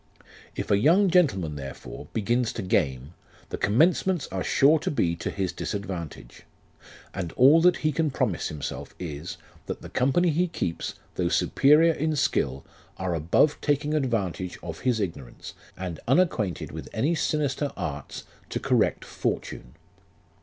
" If a young gentleman, therefore, begins to game, the commencements are sure to be to his disadvantage ; and all that he can promise himself is, that the company he keeps, though superior in skill, are above taking advan LIFE OF RICHAKD NASH. 117 tage of his ignorance, and unacquainted with any sinister arts to correct fortune.